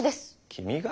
君が？